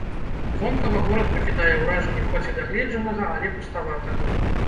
Вонкава горад пакідае ўражанне хоць і дагледжанага, але пуставатага.